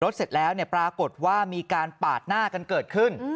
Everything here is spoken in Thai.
เสร็จแล้วเนี่ยปรากฏว่ามีการปาดหน้ากันเกิดขึ้น